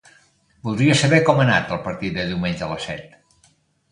Voldria saber com ha anat el partit de diumenge a les set.